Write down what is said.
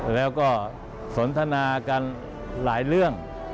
แล้วก็สนทนากันหลายเรื่อง